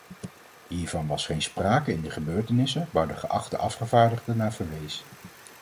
Hiervan was geen sprake in de gebeurtenissen waar de geachte afgevaardigde naar verwees.